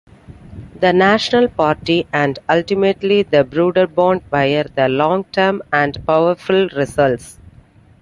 The National Party and ultimately the Broederbond were the long-term and powerful results.